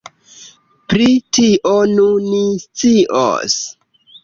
Pri tio, nu, ni scios.